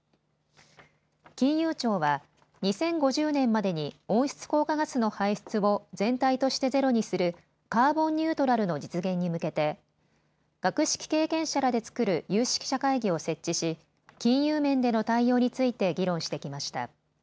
金融庁は２０５０年までに温室効果ガスの排出を全体としてゼロにするカーボンニュートラルの実現に向けて学識経験者らで作る有識者会議を設置し、金融面での対応について議論してきました。